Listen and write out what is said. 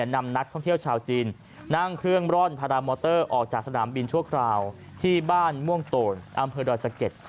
นำนักท่องเที่ยวชาวจีนนั่งเครื่องร่อนพารามอเตอร์ออกจากสนามบินชั่วคราวที่บ้านม่วงโตนอำเภอดอยสะเก็ด